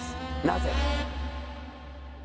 なぜ？